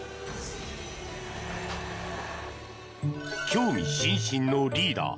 興味津々のリーダー。